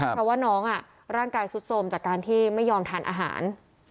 เพราะว่าน้องร่างกายสุดสมจากการที่ไม่ยอมทานอาหาร